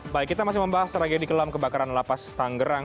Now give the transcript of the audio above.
baik kita masih membahas tragedi kelam kebakaran lapas tanggerang